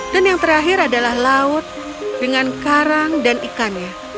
dan yang terakhir adalah laut dengan karang dan ikannya